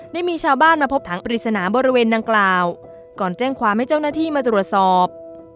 ได้มีชาวบ้านมาพบถังปริศนาบริเวณดังกล่าวก่อนแจ้งความให้เจ้าหน้าที่มาตรวจสอบ